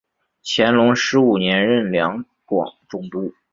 乾隆十五年任两广总督。